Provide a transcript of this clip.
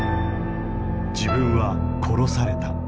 自分は殺された。